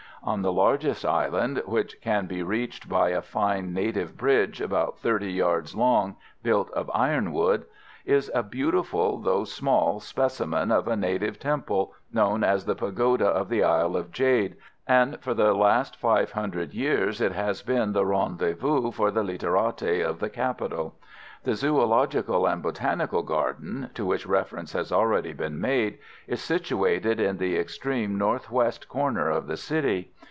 On the largest island, which can be reached by a fine native bridge, about 30 yards long, built of ironwood, is a beautiful, though small, specimen of a native temple, known as the pagoda of the isle of Jade, and for the last five hundred years it has been the rendezvous for the literati of the capital. The zoological and botanical garden, to which reference has already been made, is situated in the extreme north west corner of the city.